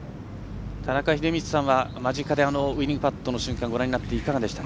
田中秀道さんは間近でウイニングパットの瞬間をご覧になっていかがでしたか？